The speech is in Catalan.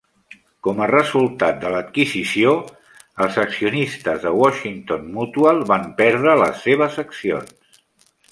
Com a resultat de l'adquisició, els accionistes de Washington Mutual van perdre les seves accions.